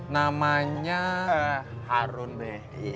namanya harun be